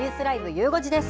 ゆう５時です。